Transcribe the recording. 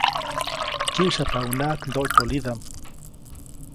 Kyäsyapaʼuŋnaʼak ndoʼtyolidaʼm.